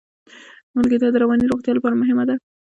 ملګرتیا د رواني روغتیا لپاره مهمه ده.